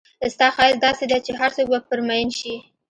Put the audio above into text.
ستا ښایست داسې دی چې هرڅوک به پر مئین شي.